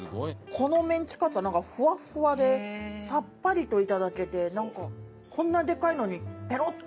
このメンチカツはなんかフワフワでさっぱりと頂けてなんかこんなでかいのにペロッと。